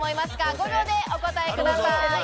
５秒でお答えください。